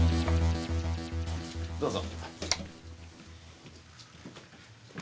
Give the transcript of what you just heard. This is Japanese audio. どうぞ。